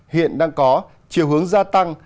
hiện đang có chiều hướng gia tăng